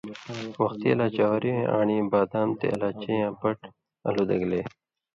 وختی لا چواری وَیں آن٘ڑیۡ بادام تے الائچی یاں پٹ الُو دگلے